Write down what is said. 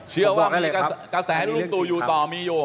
เชื่อว่ากระแสที่ลุงตู่อยู่ต่อมีอยู่